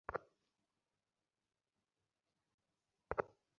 আমার জন্য অপেক্ষা করছ?